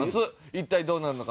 一体どうなるのか？